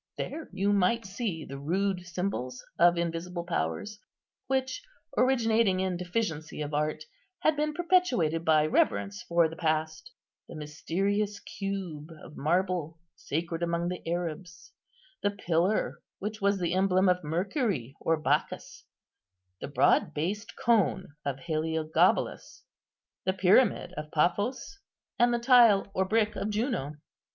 There you might see the rude symbols of invisible powers, which, originating in deficiency of art, had been perpetuated by reverence for the past: the mysterious cube of marble sacred among the Arabs, the pillar which was the emblem of Mercury or Bacchus, the broad based cone of Heliogabalus, the pyramid of Paphos, and the tile or brick of Juno.